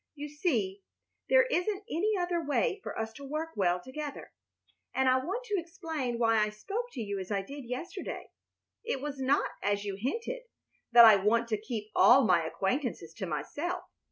You see, there isn't any other way for us to work well together. And I want to explain why I spoke to you as I did yesterday. It was not, as you hinted, that I want to keep all my acquaintances to myself.